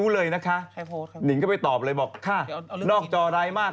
อุ้ยชอบกับคุณหนิง